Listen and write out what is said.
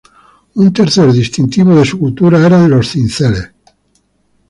Un tercer distintivo de su cultura era los cinceles.